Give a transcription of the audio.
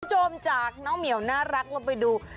บ้านโชมจากน้องเหมียวน่ารักลงไปดู